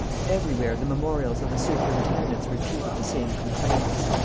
Everywhere the memorials of the superintendents repeated the same complaints.